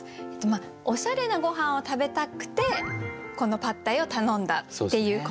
おしゃれなごはんを食べたくてこのパッタイを頼んだっていうこと。